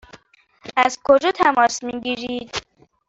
از کجا تماس می گیرید؟